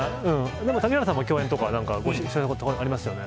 でも谷原さんも共演とかありますよね。